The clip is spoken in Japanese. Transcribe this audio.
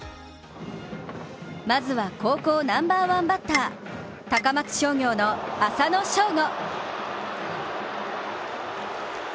まずは高校ナンバーワンバッター高松商業の浅野翔吾。